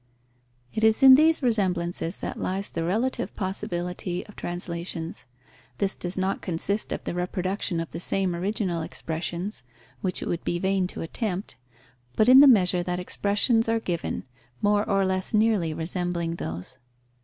_ It is in these resemblances that lies the relative possibility of translations. This does not consist of the reproduction of the same original expressions (which it would be vain to attempt), but in the measure that expressions are given, more or less nearly resembling those.